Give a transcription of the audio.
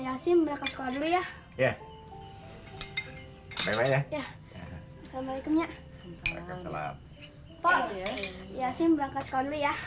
yasin berangkat sekolah dulu ya